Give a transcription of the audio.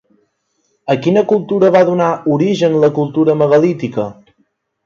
A quina cultura va donar origen la cultura megalítica?